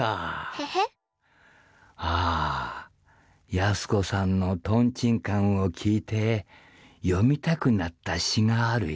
ヤスコさんのトンチンカンを聞いて読みたくなった詩があるよ。